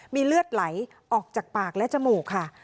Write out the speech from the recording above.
มีเลือดไหลออกจากปากและจมูกค่ะ